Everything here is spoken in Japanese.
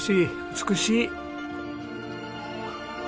美しい。